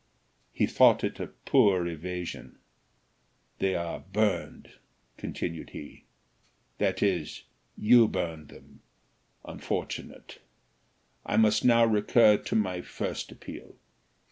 He thought it a poor evasion. "They are burned," continued he, "that is, you burned them: unfortunate. I must then recur to my first appeal.